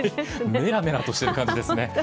メラメラとしている感じですね。